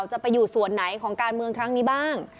จะไปอยู่ส่วนไหนของการเมืองครั้งนี้บ้าง